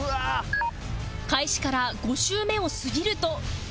開始から５周目を過ぎると